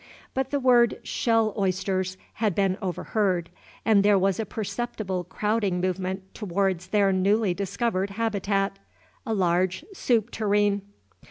But the word "shell oysters" had been overheard; and there was a perceptible crowding movement towards their newly discovered habitat, a large soup tureen.